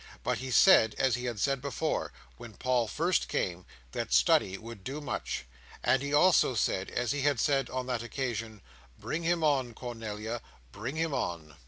But he said, as he had said before, when Paul first came, that study would do much; and he also said, as he had said on that occasion, "Bring him on, Cornelia! Bring him on!"